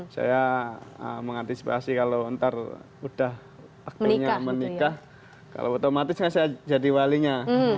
saya mengantisipasi kalau ntar udah akhirnya menikah kalau otomatis kan saya jadi walinya